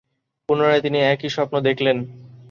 পুনরায় তিনি একই স্বপ্ন দেখলেন।